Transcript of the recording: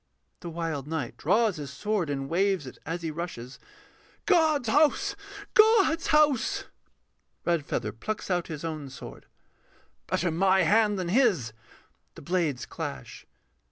THE WILD KNIGHT [draws his sword, and waves it as he rushes]. God's house! God's house! REDFEATHER [plucks out his own sword]. Better my hand than his. [_The blades clash.